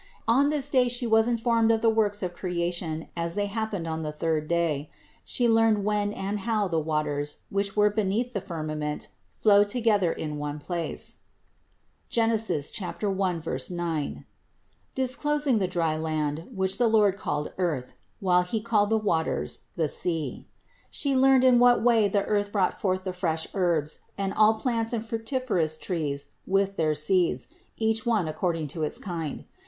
On this day She was informed of the works of creation as they happened on the third day. She learned when and how the waters, which were be neath the firmament, flowed together in one place (Gen. 1, 9), disclosing the dry land, which the Lord called earth, while He called the waters the sea. She learned in what way the earth brought forth the fresh herbs, and all plants and fructiferous trees with their seeds, each one according to its kind.